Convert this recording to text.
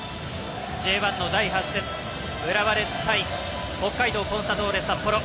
Ｊ１の第８節浦和レッズ対北海道コンサドーレ札幌。